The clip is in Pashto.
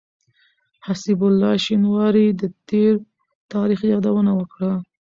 حسيب الله شينواري د تېر تاريخ يادونه وکړه.